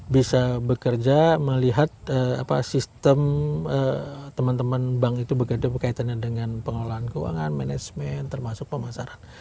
bisa bekerja melihat sistem teman teman bank itu berkaitan dengan pengelolaan keuangan manajemen termasuk pemasaran